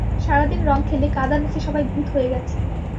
সারা দিন রঙ খেলে কাদা মেখে সবাই ভূত হয়ে গেছি।